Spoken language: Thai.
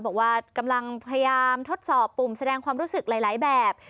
บอกว่ากำลังพยายามทดสอบปุ่มแสดงความรู้สึกหลายแบบ